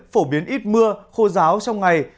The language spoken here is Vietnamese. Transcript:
phổ biến ít mưa khô giáo trong ngày